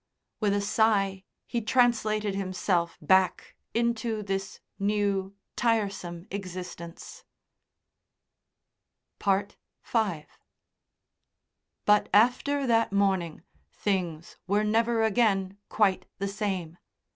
With a sigh he translated himself back into this new, tiresome existence. V But after that morning things were never again quite the same.